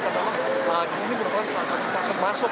karena memang di sini benar benar sangat termasuk